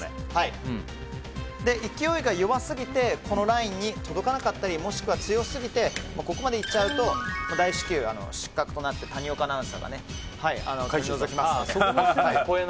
勢いが弱すぎてこのラインに届かなかったりもしくは強すぎてここまで行っちゃうと失格となって大至急、谷岡アナウンサーが回収しますので。